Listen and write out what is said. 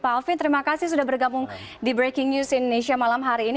pak alvin terima kasih sudah bergabung di breaking news indonesia malam hari ini